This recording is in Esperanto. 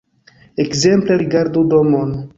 Ekzemple rigardu domon.